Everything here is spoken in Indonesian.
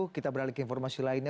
kita beralih ke informasi lainnya